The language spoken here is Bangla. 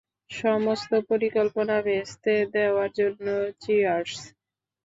সমস্ত পরিকল্পনা ভেস্তে দেওয়ার জন্য চিয়ার্স।